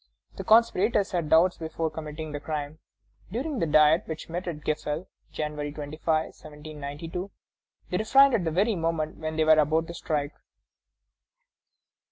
The conspirators had doubts before committing the crime. During the Diet, which met at Gefle, January 25, 1792, they refrained at the very moment when they were about to strike.